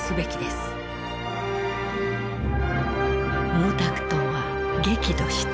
毛沢東は激怒した。